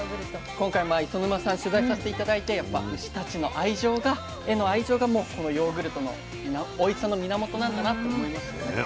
今回磯沼さん取材させて頂いて牛たちへの愛情がこのヨーグルトのおいしさの源なんだなと思いましたね。